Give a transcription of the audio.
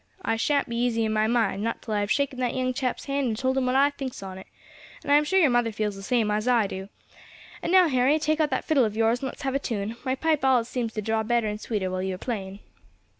I shan't be easy in my mind, not till I have shaken that young chap's hand and told him what I thinks on it. And I am sure your mother feels the same as I do. And now, Harry, take out that fiddle of yours and let's have a tune; my pipe allus seems to draw better and sweeter while you are playing."